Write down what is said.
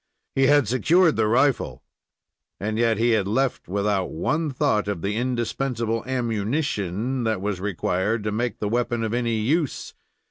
He had secured the rifle, and yet he had left without one thought of the indispensable ammunition that was required to make the weapon of any use.